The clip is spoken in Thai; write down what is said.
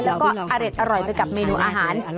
แล้วก็อร่อยไปกับเมนูอาหาร